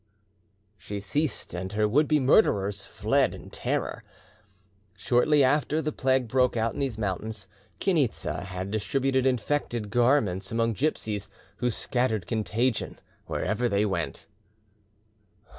She ceased, and her would be murderers fled terror. Shortly after the plague broke out in these mountains, Chainitza had distributed infected garments among gipsies, who scattered contagion wherever they went.